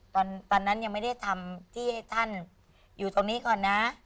ตอนนั้นยังไม่ได้ทำที่ให้ท่านอยู่ตรงนี้ก่อนนะ